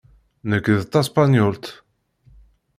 Nekk d taspenyult.